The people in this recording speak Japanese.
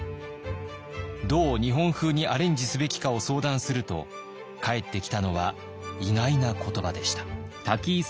どう日本風にアレンジすべきかを相談すると返ってきたのは意外な言葉でした。